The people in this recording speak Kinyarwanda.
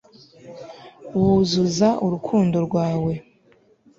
wuzuza urukundo rwawe